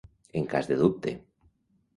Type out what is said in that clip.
En cas de dubte.